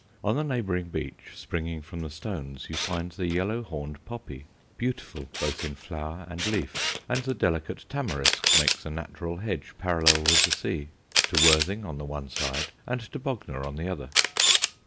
On the neighbouring beach, springing from the stones, you find the yellow horned poppy, beautiful both in flower and leaf, and the delicate tamarisk makes a natural hedge parallel with the sea, to Worthing on the one side, and to Bognor on the other.